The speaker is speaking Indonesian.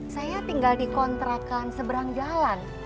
saya tinggal di kontrakan seberang jalan